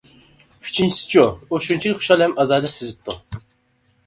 ئۈچىنچىسىچۇ، ئۇ شۇنچىلىك خۇشال ھەم ئازادە سېزىپتۇ.